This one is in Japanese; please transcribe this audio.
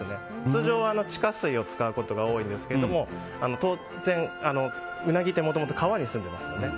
通常は地下水を使うことが多いんですけども当然、ウナギってもともと川にすんでいますよね。